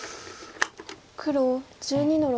黒１２の六。